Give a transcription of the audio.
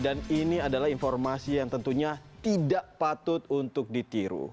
dan ini adalah informasi yang tentunya tidak patut untuk ditiru